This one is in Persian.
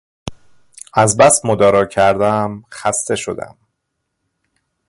از بس مدارا کردم خسته شدم